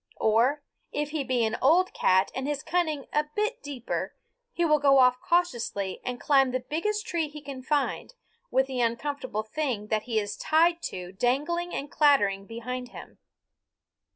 Or, if he be an old cat and his cunning a bit deeper, he will go off cautiously and climb the biggest tree he can find, with the uncomfortable thing that he is tied to dangling and clattering behind him.